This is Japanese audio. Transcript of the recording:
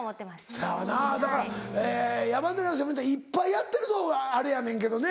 せやわなだから山寺さんみたいにいっぱいやってるとあれやねんけどね。